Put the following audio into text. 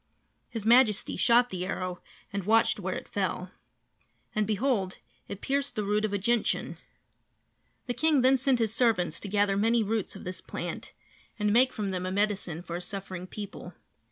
His Majesty shot the arrow and watched where it fell. And, behold, it pierced the root of a gentian! The king then sent his servants to gather many roots of this plant and make from them a medicine for his suffering people.